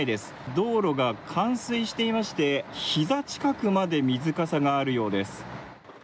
道路が冠水していまして膝近くまで水かさがあるようです。